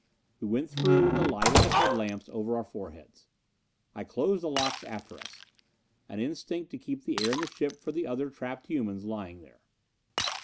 We went through in the light of the head lamps over our foreheads. I closed the locks after us. An instinct to keep the air in the ship for the other trapped humans lying there.